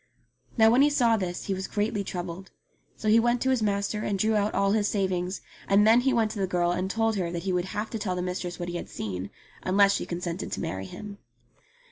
Now when he saw this he was greatly troubled. So he went to his master and drew out all his savings ; and then he went to the girl and told her that he would have to tell the mistress what he had seen, unless she consented to marry him.